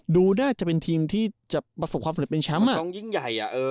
ดูน่าจะเป็นทีมที่จะประสบความสำเร็จเป็นแชมป์ต้องยิ่งใหญ่